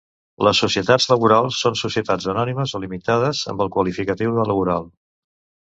Les societats laborals són societats anònimes o limitades amb el qualificatiu de laboral.